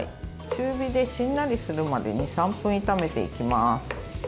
中火でしんなりするまで２３分炒めていきます。